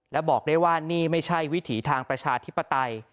และบอกได้ว่านี่ไม่ใช่วิถีทางประชาธิปไตย